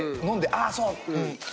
飲んであそう！